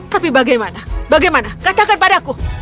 tapi bagaimana bagaimana katakan padaku